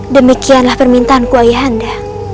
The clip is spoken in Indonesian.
demikianlah permintaanku ayahanda